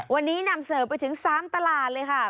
วันนี้นำเสิร์ฟไปถึง๓ตลาดเลยค่ะ